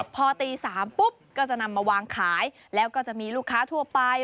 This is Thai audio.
พอตี๓ปุ๊บก็จะนำมาวางขายแล้วก็จะมีลูกค้าทั่วไป